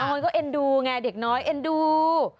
คนก็เอ็นดูไงเด็กน้อยเอ็นดู